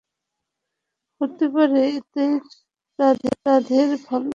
হতে পারে এতেই রাধের ভালো।